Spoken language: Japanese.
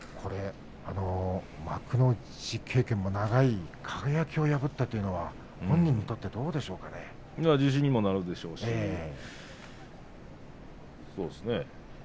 幕内経験も長い輝を破ったということは自信になるでしょうしね。